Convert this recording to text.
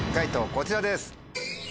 こちらです。